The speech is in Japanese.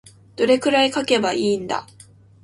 どれくらい書けばいいんだ。